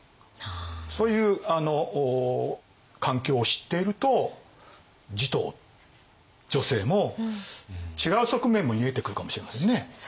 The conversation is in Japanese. そういう環境を知っていると持統女性も違う側面も見えてくるかもしれませんね。